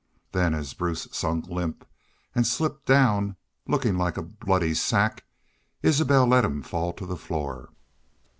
Then as Bruce sunk limp an' slipped down, lookin' like a bloody sack, Isbel let him fall to the floor.